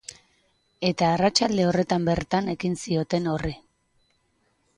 Eta arratsalde horretan bertan ekin zioten horri.